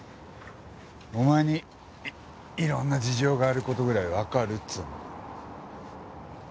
お前にいろんな事情がある事ぐらいわかるっつうの。